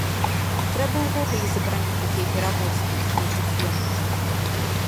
Трэба ўвогуле забараніць такія перавозкі, лічыць ён.